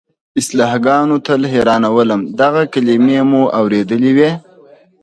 اصطلاحګانو تل حیرانولم، دغه کلیمې مو اورېدلې وې.